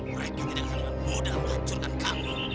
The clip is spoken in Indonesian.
mereka tidak mudah menghancurkan kampung